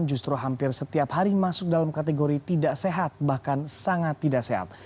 justru hampir setiap hari masuk dalam kategori tidak sehat bahkan sangat tidak sehat